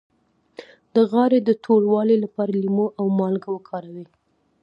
د غاړې د توروالي لپاره لیمو او مالګه وکاروئ